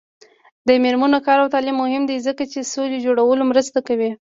د میرمنو کار او تعلیم مهم دی ځکه چې سولې جوړولو مرسته کوي.